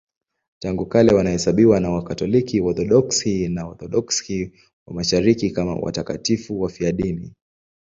Tangu kale wanaheshimiwa na Wakatoliki, Waorthodoksi na Waorthodoksi wa Mashariki kama watakatifu wafiadini.